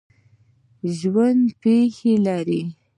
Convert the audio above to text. ژوندي پښې لري